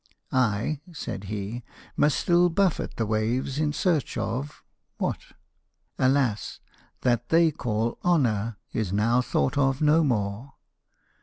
'' I," said he, must still buffet the waves in search of — What ? Alas ! that they called honour is now thought of no more.